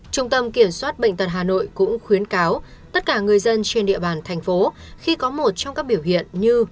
trung tâm kiểm soát bệnh tật hà nội cũng khuyến cáo tất cả người dân trên địa bàn thành phố khi có một trong các biểu hiện như